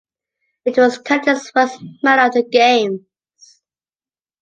It was Canada's first medal of the Games.